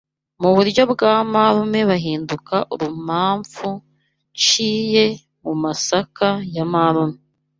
mu buryo bwa marume buhinduka urumamfu nshiye mu masaka ya marume